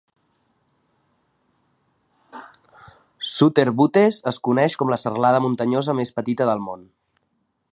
Sutter Buttes es coneix com la serralada muntanyosa més petita del món.